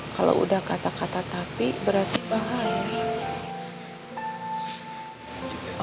kalau udah kata kata tapi berarti bahaya